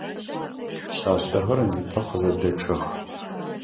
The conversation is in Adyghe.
Пшъашъэхэр непэ къызэдэчъэх.